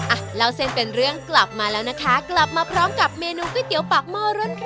อ่ะเล่าเส้นเป็นเรื่องกลับมาแล้วนะคะกลับมาพร้อมกับเมนูก๋วยเตี๋ยวปากหม้อรุ่นพี่